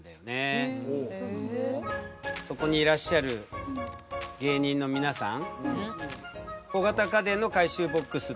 そこにいらっしゃる芸人の皆さん。